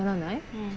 うん。